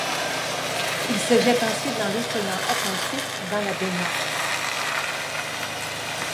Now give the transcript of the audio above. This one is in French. Il se jette ensuite dans l'océan Atlantique, dans la baie Nord.